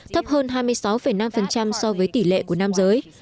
thấp hơn hai mươi sáu năm so với tỷ lệ của nam giới